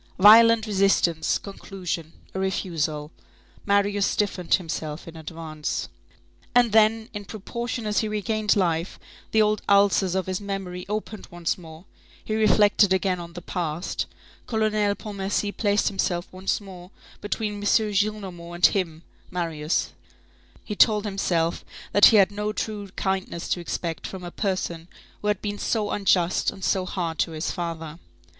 Violent resistance; conclusion: a refusal. Marius stiffened himself in advance. And then, in proportion as he regained life, the old ulcers of his memory opened once more, he reflected again on the past, Colonel Pontmercy placed himself once more between M. Gillenormand and him, Marius, he told himself that he had no true kindness to expect from a person who had been so unjust and so hard to his father.